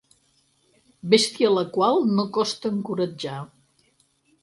Bèstia a la qual no costa encoratjar.